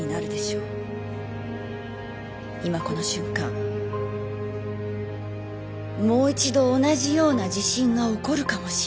今この瞬間もう一度同じような地震が起こるかもしれない。